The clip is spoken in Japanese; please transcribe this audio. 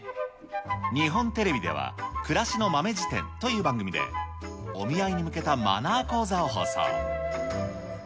日本テレビでは、暮らしの豆辞典という番組で、お見合いに向けたマナー講座を放送。